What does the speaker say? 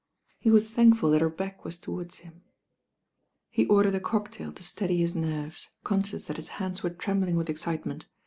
He was thankful that her back was towards him. He ordered a cocktail to steady his nerves, con sdous that his hands were trembling with excitement.